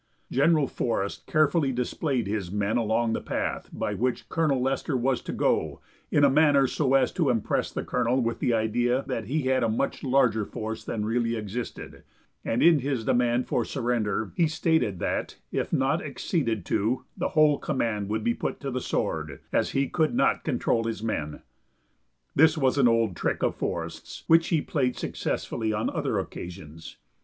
General Forest carefully displayed his men along the path by which Colonel Lester was to go in a manner so as to impress the colonel with the idea that he had a much larger force than really existed, and in his demand for surrender he stated that, if not acceded to, the whole command would be put to the sword, as he could not control his men. This was an old trick of Forest's, which he played successfully on other occasions.